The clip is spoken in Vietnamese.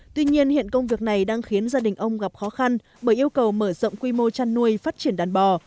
tuy nhiên hiện công việc này đang khiến gia đình ông gặp khó khăn bởi yêu cầu mở rộng quy mô chăn nuôi phát triển đàn bò